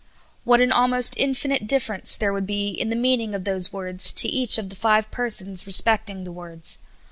" What an almost infinite difference there w^ould be in the meaning of those words to each of the five persons re specting the words.